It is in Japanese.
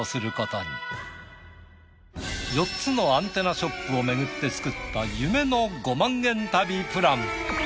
４つのアンテナショップをめぐって作った夢の５万円旅プラン。